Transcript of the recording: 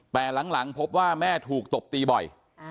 แต่หลังพบว่าแม่ถูกตบตีบ่อย